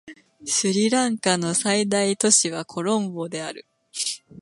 スリランカの最大都市はコロンボである